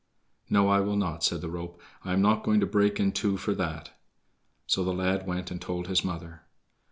"No, I will not," said the rope; "I am not going to break in two for that." So the lad went and told his mother.